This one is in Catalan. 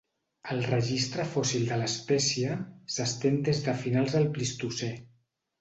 El registre fòssil de l'espècie s'estén des de finals del Plistocè.